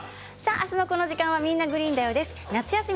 明日のこの時間は「みんな！グリーンだよ」です。